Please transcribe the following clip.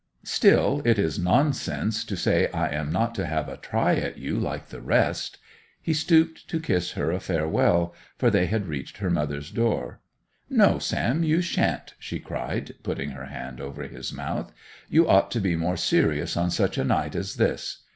'Still, it is nonsense to say I am not to have a try at you like the rest.' He stooped to kiss her a farewell, for they had reached her mother's door. 'No, Sam; you sha'n't!' she cried, putting her hand over his mouth. 'You ought to be more serious on such a night as this.